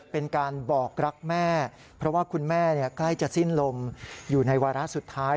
เป็นการบอกรักแม่เพราะว่าคุณแม่ใกล้จะสิ้นลมอยู่ในวาระสุดท้าย